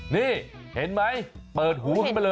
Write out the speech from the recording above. นี่เห็นไหมเปิดหูขึ้นมาเลย